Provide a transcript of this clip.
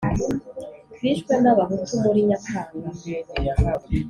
bishwe n'abahutu! muri nyakanga